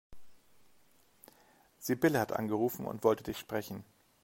Sibylle hat angerufen und wollte dich sprechen.